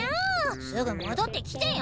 すぐもどってきてよ！